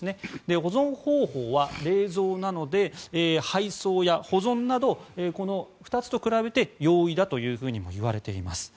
保存方法は冷蔵なので配送や保存などこの２つと比べて容易だともいわれています。